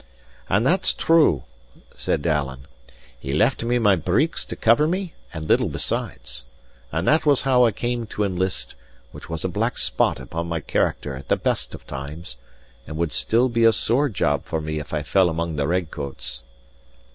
"And that's true," said Alan. "He left me my breeks to cover me, and little besides. And that was how I came to enlist, which was a black spot upon my character at the best of times, and would still be a sore job for me if I fell among the red coats."